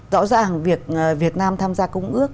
rõ ràng việc việt nam tham gia công ước